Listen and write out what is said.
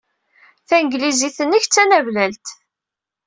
Tanglizit-nnek d tanablalt.